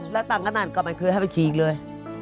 แล้วตั้งขนาดนั้นก็มันเคยให้ไปขี่อีกเลย